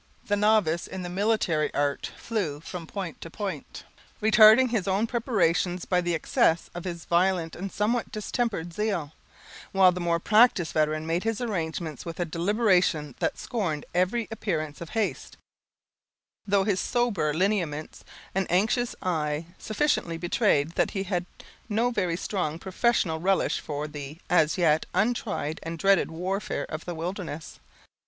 The novice in the military art flew from point to point, retarding his own preparations by the excess of his violent and somewhat distempered zeal; while the more practiced veteran made his arrangements with a deliberation that scorned every appearance of haste; though his sober lineaments and anxious eye sufficiently betrayed that he had no very strong professional relish for the, as yet, untried and dreaded warfare of the wilderness.